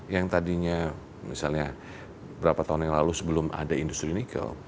yang tadinya misalnya berapa tahun yang lalu sebelum ada industri nikel